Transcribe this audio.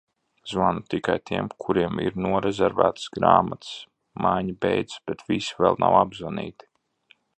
Zvanu tikai tiem, kuriem ir norezervētas grāmatas. Maiņa beidzas, bet visi vēl nav apzvanīti.